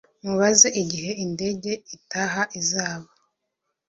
Mubaze igihe indege itaha izaba